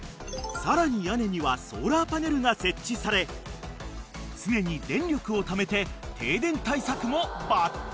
［屋根にはソーラーパネルが設置され常に電力をためて停電対策もバッチリ］